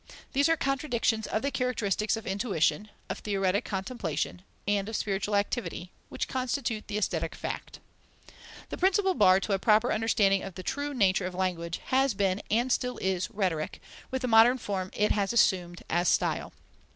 These are contradictions of the characteristics of intuition, of theoretic contemplation, and of spiritual activity, which constitute the aesthetic fact. The principal bar to a proper understanding of the true nature of language has been and still is Rhetoric, with the modern form it has assumed, as style.